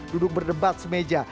duduk berdebat semeja